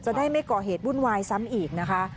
ได้ไม่ก่อเหตุวุ่นวายซ้ำอีกนะคะ